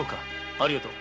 ありがとう。